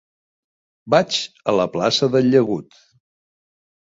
Vaig a la plaça del Llagut.